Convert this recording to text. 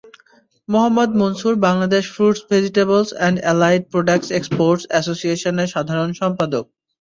Mohammad Mansur Bangladesh fruits vegetables and allied products exporters অ্যাসোসিয়েশনের সাধারণ সম্পাদক।